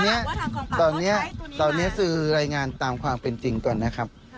อันนี้อะค่ะครูถ้าถ้าหากว่าทำความความเขาใช้ตัวนี้มาตอนเนี้ยสื่อรายงานตามขวางเป็นจริงก่อนนะครับ